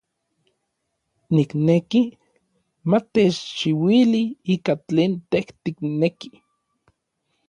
Nikneki ma techchiuili ikan tlen tej tikneki.